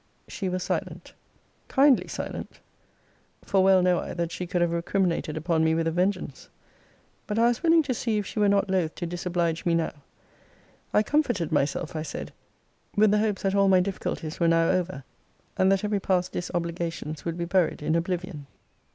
She was silent. Kindly silent. For well know I, that she could have recriminated upon me with a vengeance. But I was willing to see if she were not loth to disoblige me now. I comforted myself, I said, with the hopes that all my difficulties were now over; and that every past disobligation would be buried in oblivion.